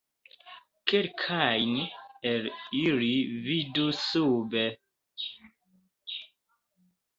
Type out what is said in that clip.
Kelkajn el ili vidu sube.